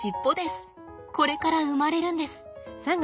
これから生まれるんです。